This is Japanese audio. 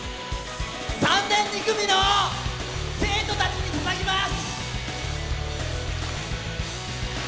３年２組の生徒たちにささげます！